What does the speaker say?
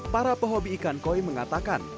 para pehobi ikan koi mengatakan